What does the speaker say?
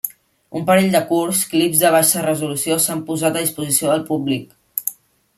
Un parell de curts, clips de baixa resolució s'han posat a disposició del públic.